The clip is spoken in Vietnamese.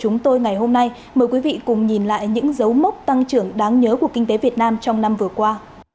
chúng tôi ngày hôm nay mời quý vị cùng nhìn lại những dấu mốc tăng trưởng đáng nhớ của kinh tế việt nam trong năm vừa qua